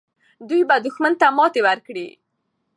دوی به دښمن ته ماتې ورکړي.